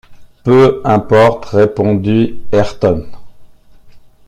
Peu importe, répondit Ayrton.